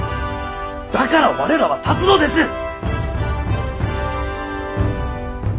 だから我らは立つのです！